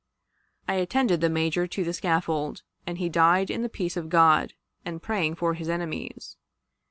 I attended the Major to the scaffold, and he died in the peace of God, and praying for his enemies.